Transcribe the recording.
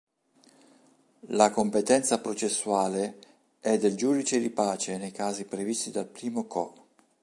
La competenza processuale è del Giudice di Pace nei casi previsti dal I co.